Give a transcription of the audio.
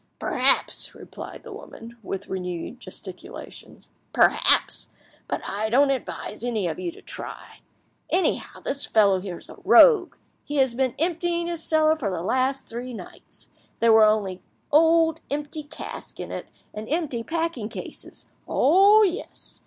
"Perhaps," replied the woman, with renewed gesticulations, "perhaps; but I don't advise any of you to try. Anyhow, this fellow here is a rogue; he has been emptying his cellar for the last three nights; there were only old empty casks in it and empty packing cases! Oh yes!